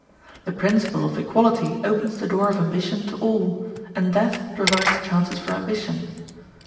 The principle of equality opens the door of ambition to all, and death provides chances for ambition.